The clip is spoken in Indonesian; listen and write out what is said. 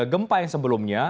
gempa yang sebelumnya